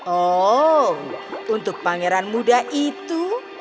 oh untuk pangeran muda itu